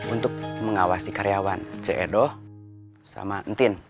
untuk mengawasi karyawan c edo sama entin